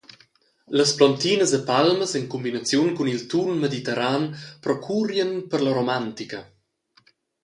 Las plontinas e palmas en cumbinaziun cun il tun mediterran procurien per la romantica.